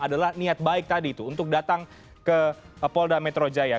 adalah niat baik tadi itu untuk datang ke polda metro jaya